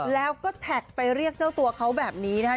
แล้วก็แท็กไปเรียกเจ้าตัวเขาแบบนี้นะคะ